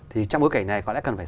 thì trong bối cảnh này có lẽ cần phải